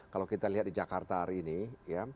kalau kita lihat di jakarta hari ini ya